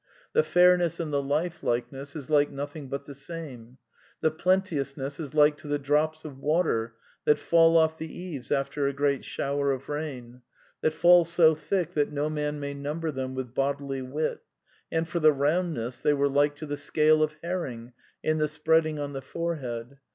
The fairness and the lifelikeness is like nothing but the same; the plenteousness is like to the drops of water that fall off the eaves after a great shower of rain, that fall so thick that no man may number them with bodily wit; and for the roimdness, they were like to the scale of herring, in the spreading on the forehead.